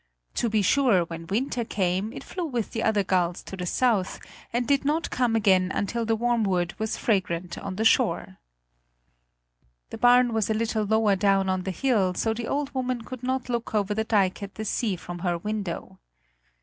To be sure, when winter came, it flew with the other gulls to the south and did not come again until the wormwood was fragrant on the shore. The barn was a little lower down on the hill, so the old woman could not look over the dike at the sea from her window.